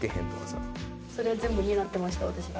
それ全部担ってました私が。